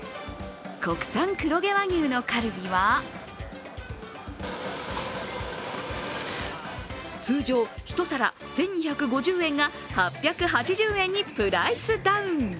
国産黒毛和牛のカルビは通常、１皿１２５０円が８８０円にプライスダウン。